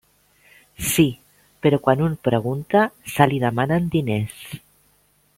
Sí, però quan un pregunta, se li demanen diners.